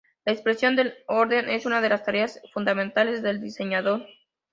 La expresión del orden es una de las tareas fundamentales del diseñador.